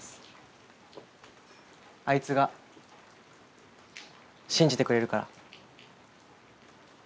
あいつが信じてくれるから。